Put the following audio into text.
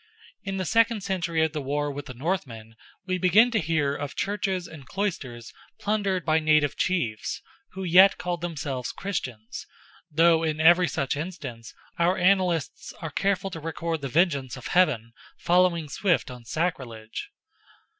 In the second century of the war with the Northmen we begin to hear of churches and cloisters plundered by native chiefs, who yet called themselves Christians, though in every such instance our annalists are careful to record the vengeance of Heaven following swift on sacrilege.